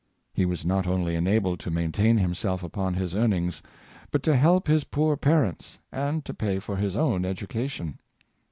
'^ He was not only enabled to maintain himself upon his earnings, but to help his poor parents, and to pay for his own education.